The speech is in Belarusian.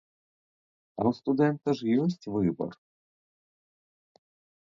А ў студэнта ж ёсць выбар.